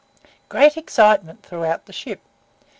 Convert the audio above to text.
Great excitement throughout the ship.